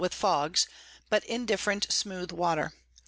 with Fogs, but indifferent smooth Water.